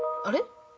あれ？